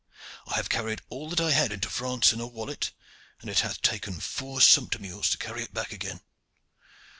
I have carried all that I had into France in a wallet, and it hath taken four sumpter mules to carry it back again.